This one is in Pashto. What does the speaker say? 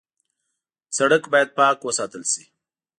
سړک باید پاک وساتل شي.